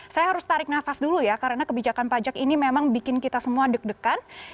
saya harus tarik nafas dulu ya karena kebijakan pajak ini memang bikin kita semua deg degan